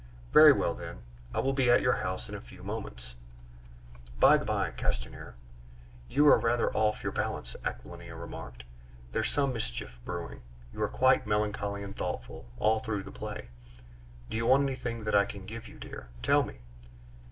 "Very well, then; I will be at your house in a few moments." "By the bye, Castanier, you are rather off your balance," Aquilina remarked. "There is some mischief brewing; you were quite melancholy and thoughtful all through the play. Do you want anything that I can give you, dear? Tell me."